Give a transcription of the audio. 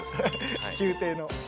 宮廷の。